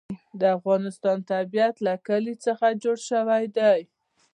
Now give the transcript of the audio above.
د افغانستان طبیعت له کلي څخه جوړ شوی دی.